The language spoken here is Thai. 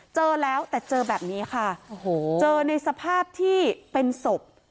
เจอแล้วแต่เจอแบบนี้ค่ะโอ้โหเจอในสภาพที่เป็นศพ